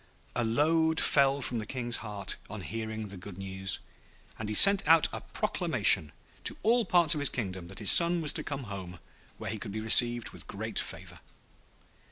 A load fell from the King's heart on hearing the good news, and he sent out a proclamation to all parts of his kingdom that his son was to come home, where he would be received with great favour.